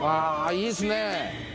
いいっすね